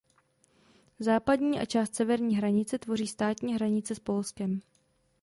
Západní a část severní hranice tvoří státní hranice s Polskem.